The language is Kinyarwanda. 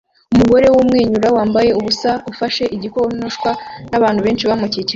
umugore wumwenyura wambaye ubusa ufashe igikonoshwa nabantu benshi bamukikije